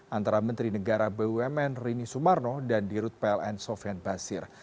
antara menteri negara bumn rini sumarno dan dirut pln sofian basir